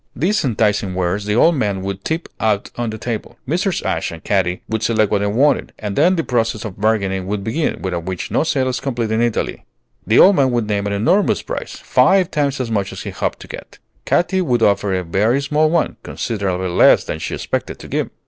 These enticing wares the old man would tip out on the table. Mrs. Ashe and Katy would select what they wanted, and then the process of bargaining would begin, without which no sale is complete in Italy. The old man would name an enormous price, five times as much as he hoped to get. Katy would offer a very small one, considerably less than she expected to give.